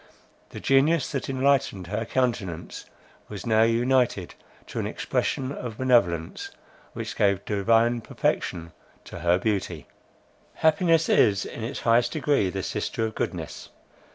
The genius that enlightened her countenance, was now united to an expression of benevolence, which gave divine perfection to her beauty. Happiness is in its highest degree the sister of goodness.